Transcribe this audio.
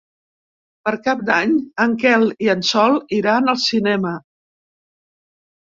Per Cap d'Any en Quel i en Sol iran al cinema.